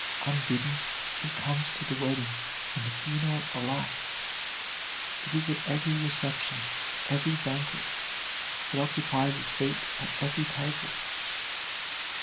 Unbidden it comes to the wedding and the funeral alike. It is at every reception, every banquet; it occupies a seat at every table.